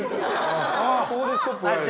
ここでストップが入る。